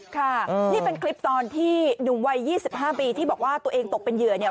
ค่ะนี่เป็นคลิปตอนที่หนุ่มวัย๒๕ปีที่บอกว่าตัวเองตกเป็นเหยื่อเนี่ย